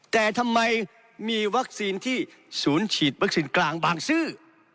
แต่ทำไมมีวัคซีนที่ศูนย์ฉีดวัคซีนกลางบางซื่อ